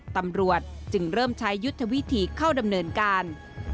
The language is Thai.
ตำรวจจึงเริ่มใช้ยุทธวิธีเข้าดำเนินการ